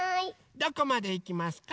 どこまでいきますか？